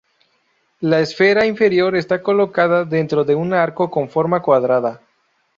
La esfera inferior está colocada dentro de un arcón con forma cuadrada.